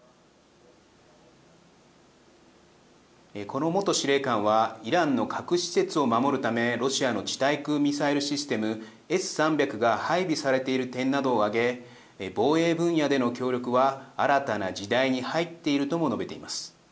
この元司令官はイランの核施設を守るためロシアの地対空ミサイルシステムＳ３００が配備されている点などを挙げ防衛分野での協力は新たな時代に入っているとも述べています。